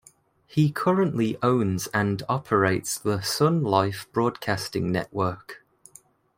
He currently owns and operates the SonLife Broadcasting Network.